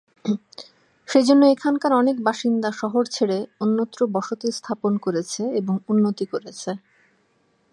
সেজন্য এখানকার অনেক বাসিন্দা শহর ছেড়ে অন্যত্র বসতি স্থাপন করেছে এবং উন্নতি করেছে।